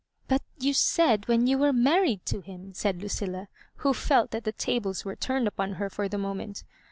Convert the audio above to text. " But you said when you were married to him," said Lucilla, who felt that the tables were turned upon her for the moment.